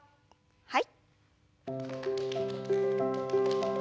はい。